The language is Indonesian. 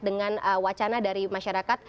dengan wacana dari masyarakat